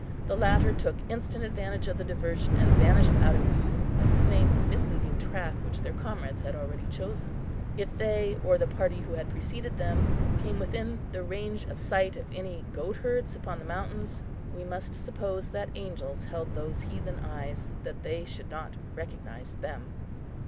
The latter took instant advantage of the diversion, and vanished out of view by the same misleading track which their comrades had already chosen. If they, or the party who had preceded them, came within the range of sight of any goatherds upon the mountains, we must suppose that angels held those heathen eyes that they should not recognise them.